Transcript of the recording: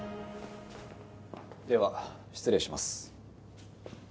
では、失礼します。